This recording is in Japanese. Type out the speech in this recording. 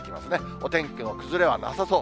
お天気の崩れはなさそう。